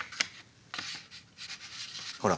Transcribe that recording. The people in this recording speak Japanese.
ほら。